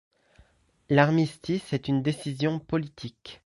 L'armistice est une décision politique.